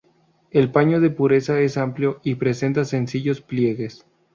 El paño de pureza es amplio y presenta sencillos pliegues.